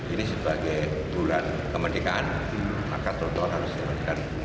ini sebagai bulan kemerdekaan maka trotoar harus dimandikan